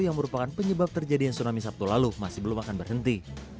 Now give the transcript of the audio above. yang merupakan penyebab terjadinya tsunami sabtu lalu masih belum akan berhenti